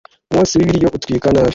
Umwotsi w’ibiryo utwika nabi